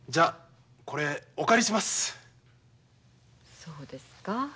そうですか？